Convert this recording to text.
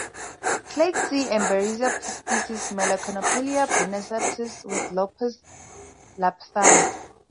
Clade C - "Emberiza" species: "melanocephala, bruniceps" with "Melophus" lathami".